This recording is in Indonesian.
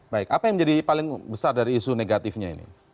baik apa yang menjadi paling besar dari isu negatifnya ini